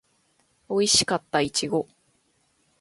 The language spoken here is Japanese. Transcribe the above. おいしかったいちご